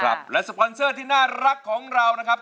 ครับและสปอนเซอร์ที่น่ารักของเรานะครับ